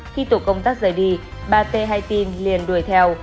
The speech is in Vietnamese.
khi tổ công tác rời đi ba t hai t liền đuổi theo